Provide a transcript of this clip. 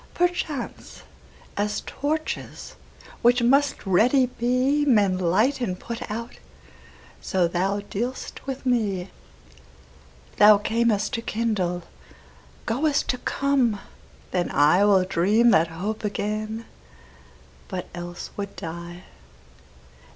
Perchance, as torches, which must ready be, Men light and put out, so thou dealst with me. Thou cam'st to kindle, goest to come: then IWill dream that hope again, but else would die.